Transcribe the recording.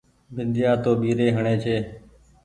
بنديآ تو ٻيري هڻي ڇي۔